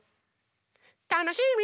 たのしみ！